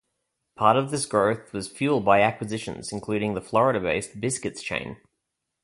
Part of this growth was fueled by acquisitions including the Florida-based Biskits chain.